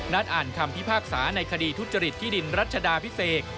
อ่านคำพิพากษาในคดีทุจริตที่ดินรัชดาพิเศษ